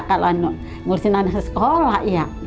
kalau ngurusin anaknya sekolah iya